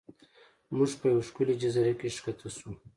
موږ په یوه ښکلې جزیره کې ښکته شو.